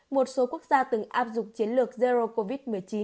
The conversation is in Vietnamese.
một số quốc gia từng áp dụng chiến lược zero covid một mươi chín